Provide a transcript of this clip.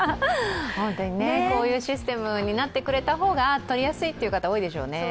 こういうシステムになってくれた方が取りやすいという方、多いでしょうね。